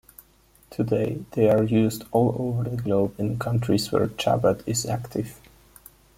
Today, they are used all over the globe, in countries where Chabad is active.